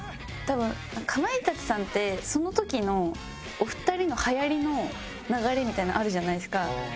多分かまいたちさんってその時のお二人の流行りの流れみたいなのあるじゃないですか。